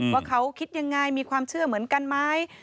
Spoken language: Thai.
ว่าเขาคิดยังไงมีความเชื่อเหมือนกันไหม